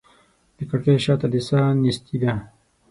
د کړکۍ شاته د ساه نیستي ده